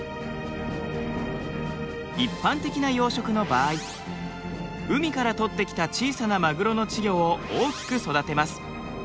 一般的な養殖の場合海から取ってきた小さなマグロの稚魚を大きく育てます。